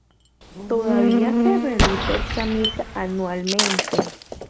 Todavía se realiza esta misa anualmente.